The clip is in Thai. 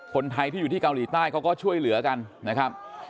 คนไทยที่อยู่ที่เกาหลีใต้เขาก็ช่วยเหลือกันนะครับ